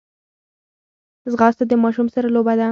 ځغاسته د ماشوم سره لوبه ده